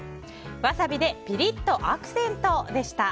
ワサビでピリッとアクセント！でした。